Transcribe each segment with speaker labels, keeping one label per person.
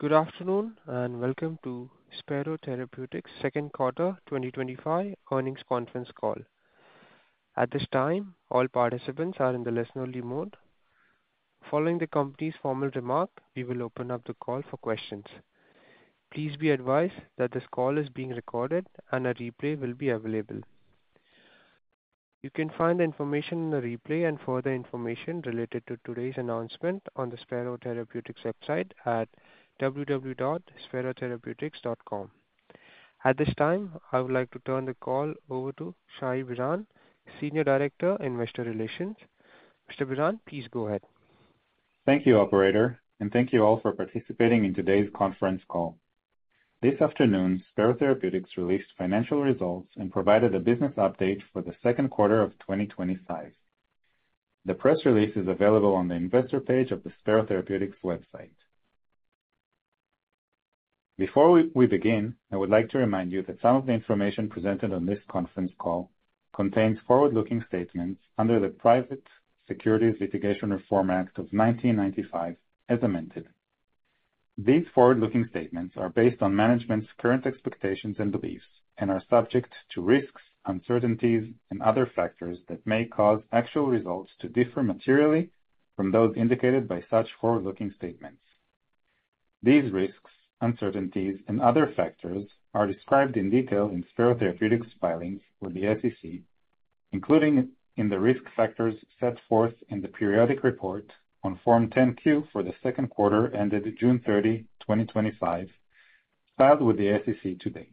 Speaker 1: Good afternoon and welcome to Spero Therapeutics' Second Quarter 2025 Earnings Conference Call. At this time, all participants are in the listen-only mode. Following the company's formal remarks, we will open up the call for questions. Please be advised that this call is being recorded and a replay will be available. You can find the information in the replay and further information related to today's announcement on the Spero Therapeutics website at www.sperotherapeutics.com. At this time, I would like to turn the call over to Shai Biran, Senior Director, Investor Relations. Mr. Biran, please go ahead.
Speaker 2: Thank you, Operator, and thank you all for participating in today's conference call. This afternoon, Spero Therapeutics released financial results and provided a business update for the second quarter of 2025. The press release is available on the investor page of the Spero Therapeutics website. Before we begin, I would like to remind you that some of the information presented on this conference call contains forward-looking statements under the Private Securities Litigation Reform Act of 1995 as amended. These forward-looking statements are based on management's current expectations and beliefs and are subject to risks, uncertainties, and other factors that may cause actual results to differ materially from those indicated by such forward-looking statements. These risks, uncertainties, and other factors are described in detail in Spero Therapeutics' filings with the SEC, including in the risk factors set forth in the periodic report on Form 10-Q for the second quarter ended June 30, 2025, filed with the SEC today.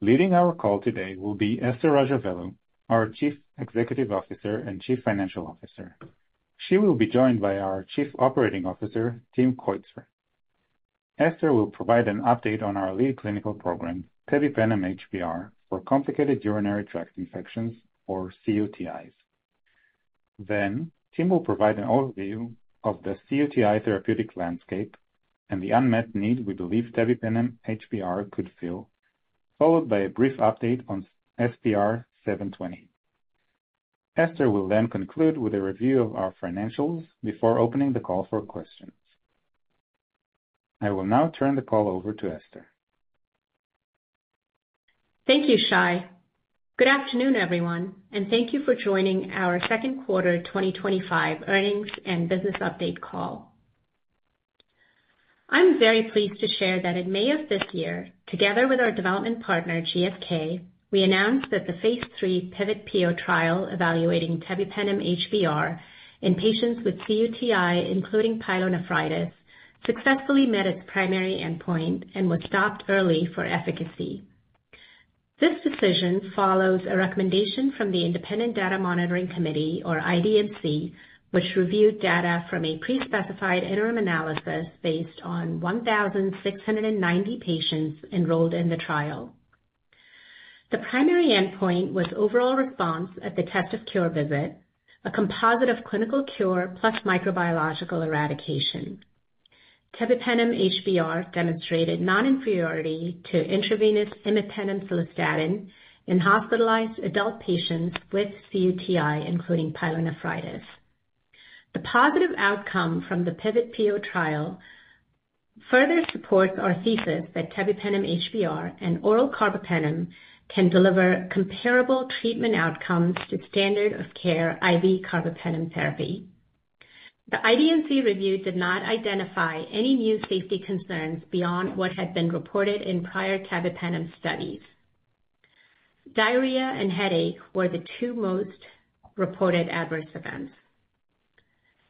Speaker 2: Leading our call today will be Esther Rajavelu, our Chief Executive Officer and Chief Financial Officer. She will be joined by our Chief Operating Officer, Tim Keutzer. Esther will provide an update on our lead clinical program, tebipenem HBr, for complicated urinary tract infections, or cUTIs. Tim will provide an overview of the cUTI therapeutic landscape and the unmet need we believe tebipenem HBr could fill, followed by a brief update on SPR720. Esther will then conclude with a review of our financials before opening the call for questions. I will now turn the call over to Esther.
Speaker 3: Thank you, Shai. Good afternoon, everyone, and thank you for joining our second quarter 2025 earnings and business update call. I'm very pleased to share that in May of this year, together with our development partner, GSK, we announced that the phase III PIVOT-PO trial evaluating tebipenem HBr in patients with cUTI, including pyelonephritis, successfully met its primary endpoint and was stopped early for efficacy. This decision follows a recommendation from the Independent Data Monitoring Committee, or IDMC, which reviewed data from a pre-specified interim analysis based on 1,690 patients enrolled in the trial. The primary endpoint was overall response at the test-of-cure visit, a composite of clinical cure plus microbiological eradication. Tebipenem HBr demonstrated non-inferiority to intravenous imipenem-cilastatin in hospitalized adult patients with cUTI, including pyelonephritis. The positive outcome from the PIVOT-PO trial further supports our thesis that tebipenem HBr and oral carbapenem can deliver comparable treatment outcomes to standard-of-care IV carbapenem therapy. The IDMC review did not identify any new safety concerns beyond what had been reported in prior carbapenem studies. Diarrhea and headache were the two most reported adverse events.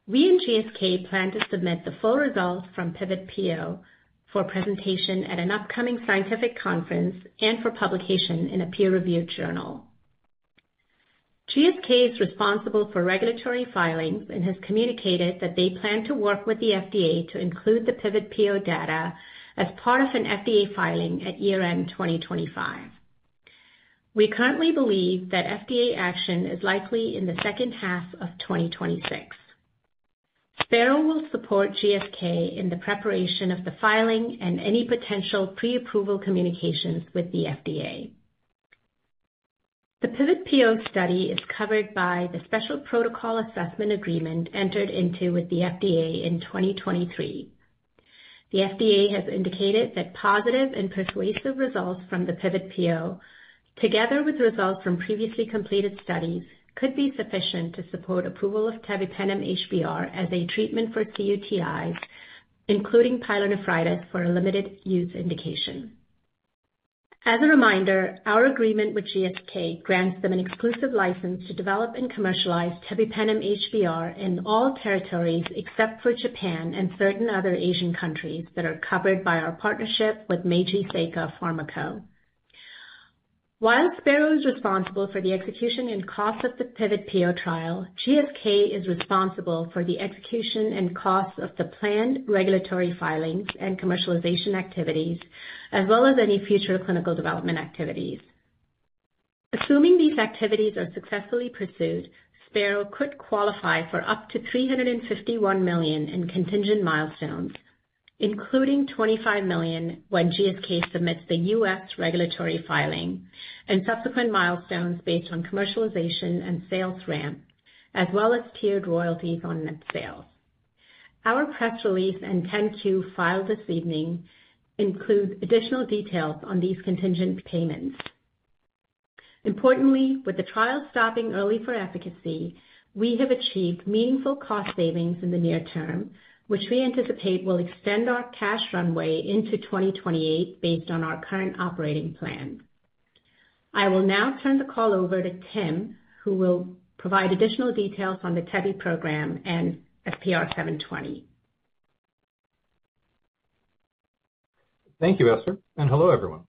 Speaker 3: We and GSK plan to submit the full results from PIVOT-PO for presentation at an upcoming scientific conference and for publication in a peer-reviewed journal. GSK is responsible for regulatory filings and has communicated that they plan to work with the FDA to include the PIVOT-PO data as part of an FDA filing at year-end 2025. We currently believe that FDA action is likely in the second half of 2026. Spero will support GSK in the preparation of the filing and any potential pre-approval communications with the FDA. The PIVOT-PO study is covered by the Special Protocol Assessment Agreement entered into with the FDA in 2023. The FDA has indicated that positive and persuasive results from the PIVOT-PO, together with results from previously completed studies, could be sufficient to support approval of tebipenem HBr as a treatment for cUTIs, including pyelonephritis, for a limited use indication. As a reminder, our agreement with GSK grants them an exclusive license to develop and commercialize tebipenem HBr in all territories except for Japan and certain other Asian countries that are covered by our partnership with Meiji Seika Pharma Co. While Spero is responsible for the execution and costs of the PIVOT-PO trial, GSK is responsible for the execution and costs of the planned regulatory filings and commercialization activities, as well as any future clinical development activities. Assuming these activities are successfully pursued, Spero could qualify for up to $351 million in contingent milestones, including $25 million when GSK submits the U.S. regulatory filing and subsequent milestones based on commercialization and sales ramp, as well as tiered royalties on net sales. Our press release and 10-Q filed this evening include additional details on these contingent payments. Importantly, with the trial stopping early for efficacy, we have achieved meaningful cost savings in the near-term, which we anticipate will extend our cash runway into 2028 based on our current operating plan. I will now turn the call over to Tim, who will provide additional details on the tebipenem program and SPR720.
Speaker 4: Thank you, Esther, and hello everyone.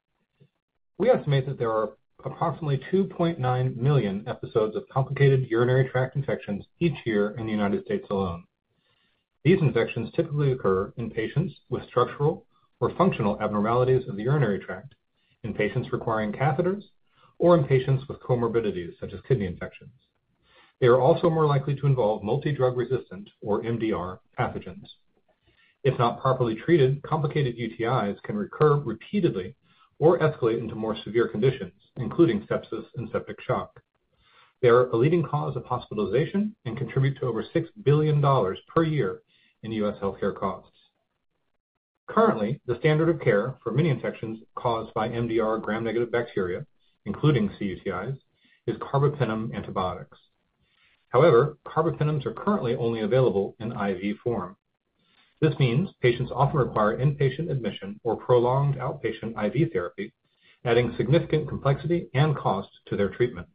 Speaker 4: We estimate that there are approximately 2.9 million episodes of complicated urinary tract infections each year in the United States alone. These infections typically occur in patients with structural or functional abnormalities of the urinary tract, in patients requiring catheters, or in patients with comorbidities such as kidney infections. They are also more likely to involve multi-drug resistant or MDR pathogens. If not properly treated, complicated UTIs can recur repeatedly or escalate into more severe conditions, including sepsis and septic shock. They are a leading cause of hospitalization and contribute to over $6 billion per year in U.S. healthcare costs. Currently, the standard of care for many infections caused by MDR gram-negative bacteria, including cUTIs, is carbapenem antibiotics. However, carbapenems are currently only available in IV form. This means patients often require inpatient admission or prolonged outpatient IV therapy, adding significant complexity and cost to their treatment.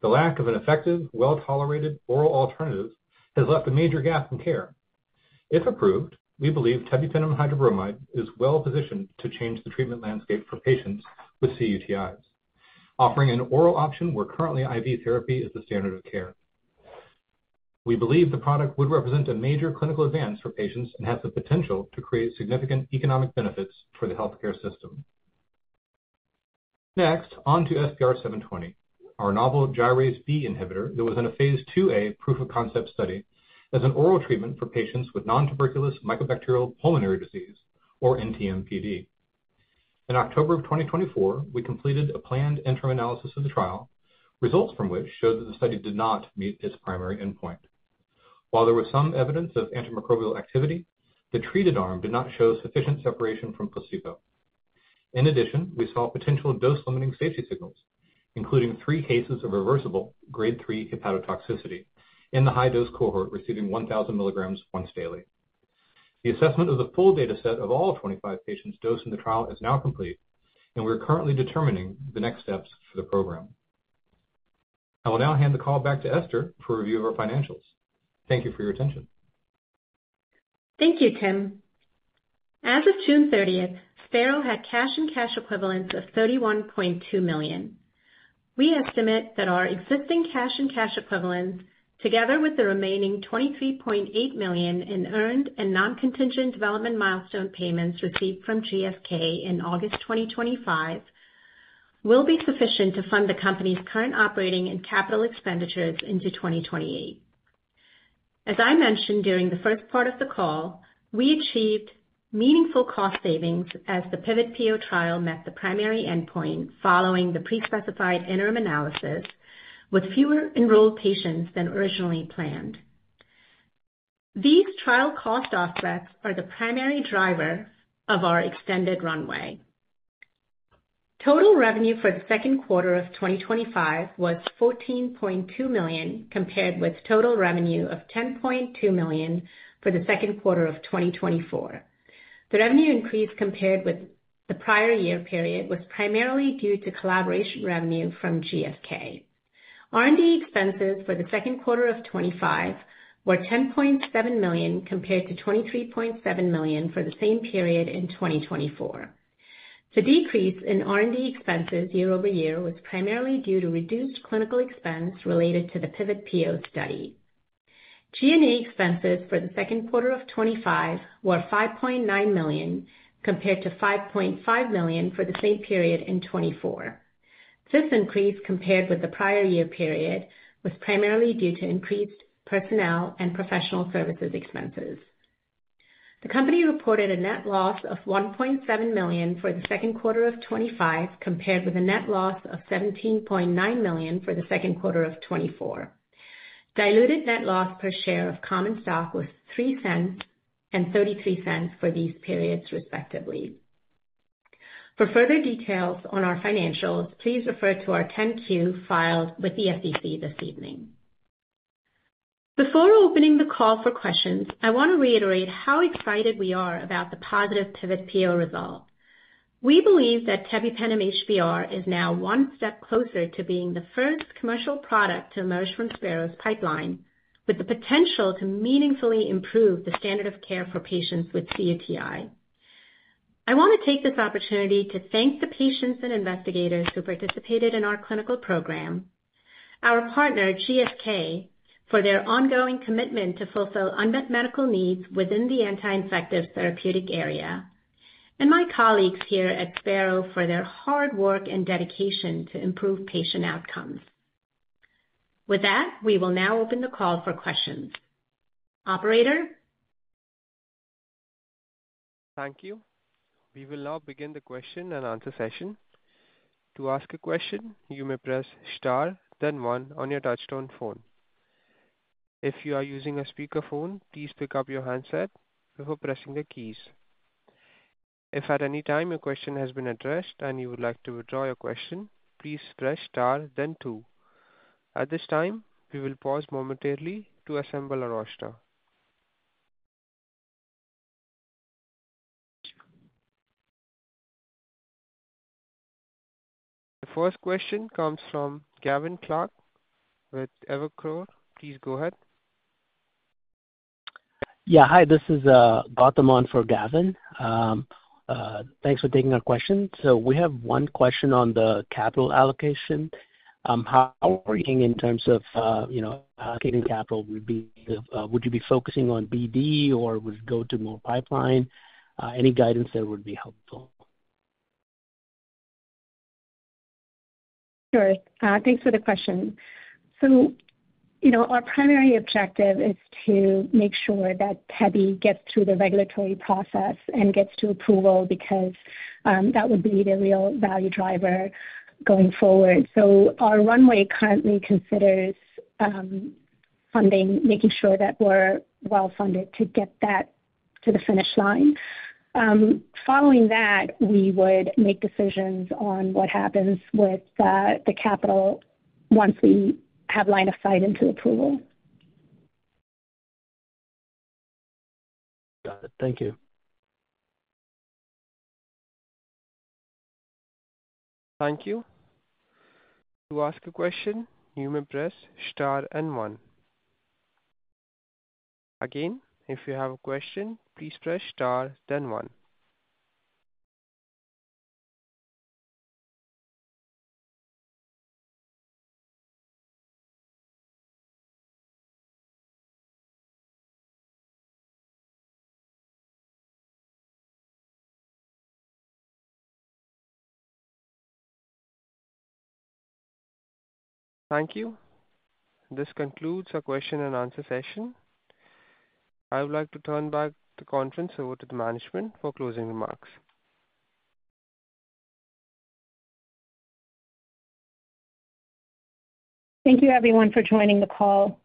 Speaker 4: The lack of an effective, well-tolerated oral alternative has left a major gap in care. If approved, we believe tebipenem HBr is well-positioned to change the treatment landscape for patients with cUTIs. Offering an oral option where currently IV therapy is the standard of care, we believe the product would represent a major clinical advance for patients and has the potential to create significant economic benefits for the healthcare system. Next, on to SPR720, our novel gyrase B inhibitor that was in a phase II-A proof-of-concept study as an oral treatment for patients with non-tuberculous mycobacterial pulmonary disease, or NTMPD. In October of 2024, we completed a planned interim analysis of the trial, results from which showed that the study did not meet its primary endpoint. While there was some evidence of antimicrobial activity, the treated arm did not show sufficient separation from placebo. In addition, we saw potential dose-limiting safety signals, including three cases of reversible grade 3 hepatotoxicity in the high-dose cohort receiving 1,000 mg once daily. The assessment of the full dataset of all 25 patients dosed in the trial is now complete, and we are currently determining the next steps for the program. I will now hand the call back to Esther for a review of our financials. Thank you for your attention.
Speaker 3: Thank you, Tim. As of June 30th, Spero had cash and cash equivalents of $31.2 million. We estimate that our existing cash and cash equivalents, together with the remaining $23.8 million in earned and non-contingent development milestone payments received from GSK in August 2025, will be sufficient to fund the company's current operating and capital expenditures into 2028. As I mentioned during the first part of the call, we achieved meaningful cost savings as the PIVOT-PO trial met the primary endpoint following the pre-specified interim analysis with fewer enrolled patients than originally planned. These trial cost offsets are the primary driver of our extended runway. Total revenue for the second quarter of 2025 was $14.2 million compared with total revenue of $10.2 million for the second quarter of 2024. The revenue increase compared with the prior year period was primarily due to collaboration revenue from GSK. R&D expenses for the second quarter of 2025 were $10.7 million compared to $23.7 million for the same period in 2024. The decrease in R&D expenses year-over year was primarily due to reduced clinical expense related to the PIVOT-PO study. G&A expenses for the second quarter of 2025 were $5.9 million compared to $5.5 million for the same period in 2024. This increase compared with the prior year period was primarily due to increased personnel and professional services expenses. The company reported a net loss of $1.7 million for the second quarter of 2025 compared with a net loss of $17.9 million for the second quarter of 2024. Diluted net loss per share of common stock was $0.03 and $0.33 for these periods, respectively. For further details on our financials, please refer to our 10-Q filed with the SEC this evening. Before opening the call for questions, I want to reiterate how excited we are about the positive Pivot-PO results. We believe that tebipenem HBr is now one step closer to being the first commercial product to emerge from Spero's pipeline, with the potential to meaningfully improve the standard of care for patients with cUTI. I want to take this opportunity to thank the patients and investigators who participated in our clinical program, our partner GSK for their ongoing commitment to fulfill unmet medical needs within the anti-infective therapeutic area, and my colleagues here at Spero for their hard work and dedication to improve patient outcomes. With that, we will now open the call for questions. Operator?
Speaker 1: Thank you. We will now begin the question and answer session. To ask a question, you may press star, then one on your touch-tone phone. If you are using a speakerphone, please pick up your handset before pressing the keys. If at any time your question has been addressed and you would like to withdraw your question, please press star, then two. At this time, we will pause momentarily to assemble our roster. The first question comes from Gavin Clarke with Evercore. Please go ahead.
Speaker 5: Yeah, hi, this is Gautam on for Gavin. Thanks for taking our question. We have one question on the capital allocation. How are you thinking in terms of, you know, allocating capital? Would you be focusing on [BD] or would you go to more pipeline? Any guidance there would be helpful.
Speaker 3: Thank you for the question. Our primary objective is to make sure that tebipenem gets through the regulatory process and gets to approval because that would be the real value driver going forward. Our runway currently considers funding, making sure that we're well funded to get that to the finish line. Following that, we would make decisions on what happens with the capital once we have line of sight into approval.
Speaker 5: Got it. Thank you.
Speaker 1: Thank you. To ask a question, you may press star and one. Again, if you have a question, please press star, then one. Thank you. This concludes our question and answer session. I would like to turn back the conference over to the management for closing remarks.
Speaker 3: Thank you, everyone, for joining the call.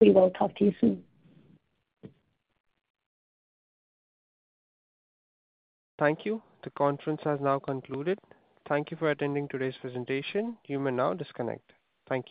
Speaker 3: We will talk to you soon.
Speaker 1: Thank you. The conference has now concluded. Thank you for attending today's presentation. You may now disconnect. Thank you.